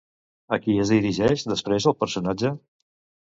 A qui es dirigeix després el personatge?